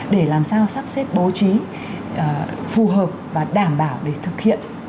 để làm sao sắp xếp bố trí phù hợp và đảm bảo để thực hiện